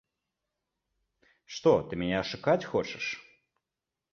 Што ты мяне ашукаць хочаш?